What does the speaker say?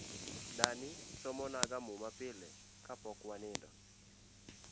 Dani somona ga muma pile kapok wanindo